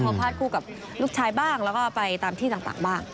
ความคุณภาพผู้กับลูกชายบ้างแล้วก็ไปตามที่ต่างบ้าง